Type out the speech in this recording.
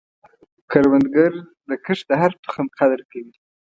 کروندګر د کښت د هر تخم قدر کوي